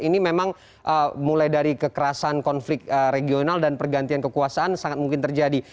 ini memang mulai dari kekerasan konflik regional dan pergantian kekuasaan sangat mungkin terjadi